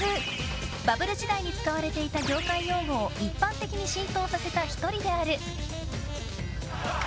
バブル時代に使われていた業界用語を一般的に浸透させた１人である。